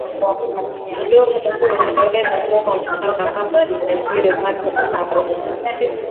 Mdomo huo unaweza kuwa mpana kama kijazio hasa baharini